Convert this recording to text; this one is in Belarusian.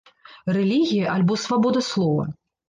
Рэлігія альбо свабода слова?